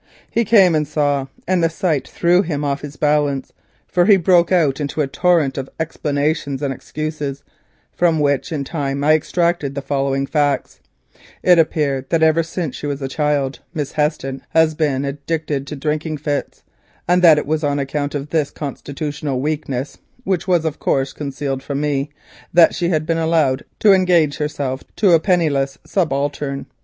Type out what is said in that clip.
He came and saw, and the sight threw him off his balance, for he broke out into a torrent of explanations and excuses, from which in time I extracted the following facts:—It appeared that ever since she was a child, Miss Heston had been addicted to drinking fits, and that it was on account of this constitutional weakness, which was of course concealed from me, that she had been allowed to engage herself to a penniless subaltern.